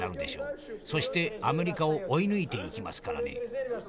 そしてアメリカを追い抜いていきますからね。